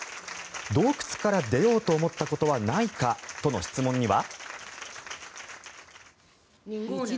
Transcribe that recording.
洞窟から出ようと思ったことはないかとの質問には。